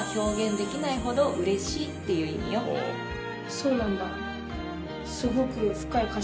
そうなんだ。